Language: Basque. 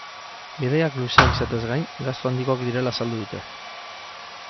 Bidaiak luzeak izateaz gain, gastu handikoak direla azaldu dute.